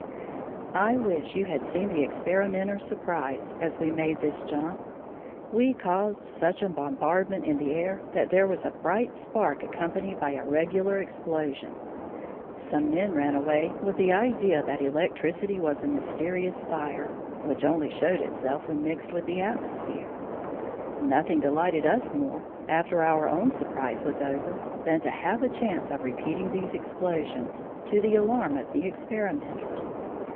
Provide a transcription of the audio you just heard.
I wish you had seen the experimenter's surprise as we made this jump. We caused such a bombardment in the air that there was a bright spark accompanied by a regular explosion. Some men ran away with the idea that electricity was a mysterious fire, which only showed itself when it mixed with the atmosphere. Nothing delighted us more, after our own surprise was over, than to have a chance of repeating these explosions, to the alarm of the experimenters.